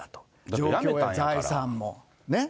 状況や財産も、ね。